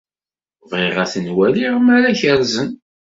Bɣiɣ ad ten-waliɣ mi ara kerrzen.